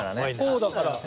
こうだから。